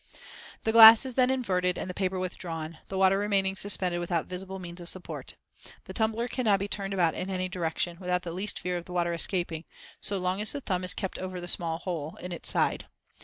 The glass is then inverted and the paper withdrawn, the water remaining suspended without visible means of support. The tumbler can now be turned about in any direction, without the least fear of the water escaping, so long as the thumb is kept over the small hole in its side.